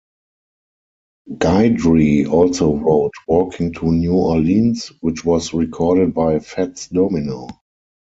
Guidry also wrote "Walking to New Orleans", which was recorded by Fats Domino.